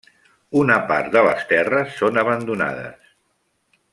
Una part de les terres són abandonades.